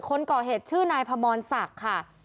คนก่อเหตุชื่อนายพมรศักดิ์ค่ะ